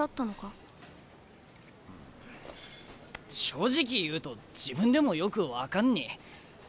正直言うと自分でもよく分かんねえ。